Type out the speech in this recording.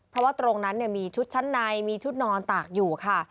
เพราะว่าตรงนั้นมีชุดชั้นในมีชุดนอนตากอยู่ค่ะ